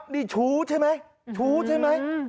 นี่ชู้ใช่ไหมชู้ใช่ไหม